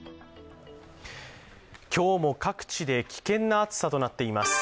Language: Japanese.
今日も各地で危険な暑さとなっています。